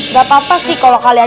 gak apa apa sih kalau kalian